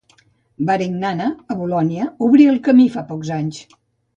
Varignana, a Bolonya, obrí el camí, fa pocs anys.